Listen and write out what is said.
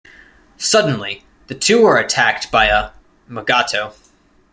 Suddenly, the two are attacked by a "mugato".